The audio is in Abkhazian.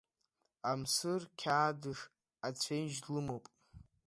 Амсыр қьаадыш ацәеижь лымоуп.